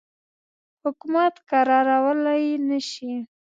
حکومت کرارولای نه شي.